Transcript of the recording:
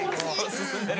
進んでる。